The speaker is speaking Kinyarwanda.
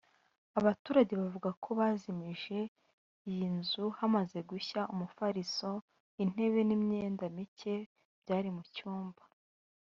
Abaturage bavuga ko bazimije iyi nzu hamaze gushya umufariso (matelas) intebe n’imyenda mike byari mu cyumba